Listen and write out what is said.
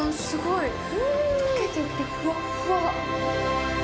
すごい！